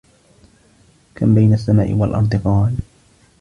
كَمْ بَيْنَ السَّمَاءِ وَالْأَرْضِ ؟ قَالَ